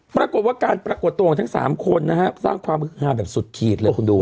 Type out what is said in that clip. ปรากฏว่าการปรากฏตัวของทั้ง๓คนนะฮะสร้างความฮือฮาแบบสุดขีดเลยคุณดู